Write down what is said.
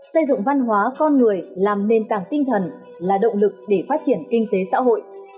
xây dựng văn hóa con người làm nền tảng tinh thần là động lực để phát triển kinh tế xã hội